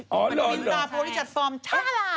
เป็นหุ้นซาโฟนี่จัดรอบ๕ลาย